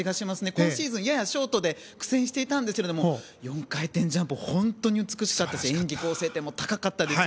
今シーズン、ややショートで苦戦していたんですが４回転ジャンプが本当に美しくて演技構成点が高かったです。